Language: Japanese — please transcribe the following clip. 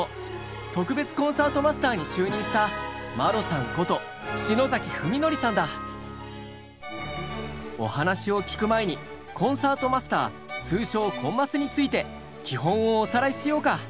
特別コンサートマスターに就任したお話を聞く前にコンサートマスター通称コンマスについて基本をおさらいしようか。